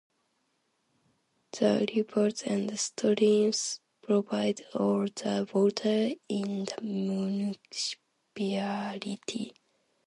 The rivers and streams provide all the water in the municipality.